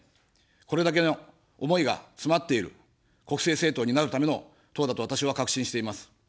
これだけの思いが詰まっている、国政政党になるための党だと私は確信しています。